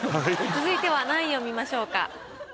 続いては何位を見ましょうか？